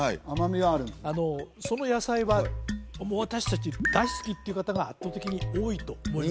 その野菜は私達大好きっていう方が圧倒的に多いと思います